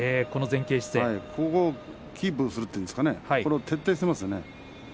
前傾姿勢これをキープするというんですかね、徹底しています。